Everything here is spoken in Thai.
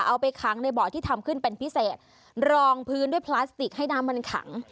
เอาไปขังในเบาะที่ทำขึ้นเป็นพิเศษรองพื้นด้วยพลาสติกให้น้ำมันขัง